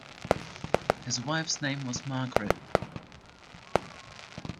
His wife's name was Margaret.